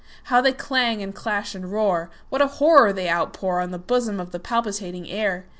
How they clang, and clash, and roar! What a horror they outpourOn the bosom of the palpitating air!